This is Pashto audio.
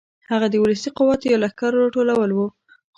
هغه د ولسي قوت یا لښکرو راټولول و.